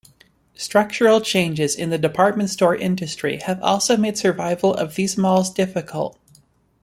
Structural changes in the department-store industry have also made survival of these malls difficult.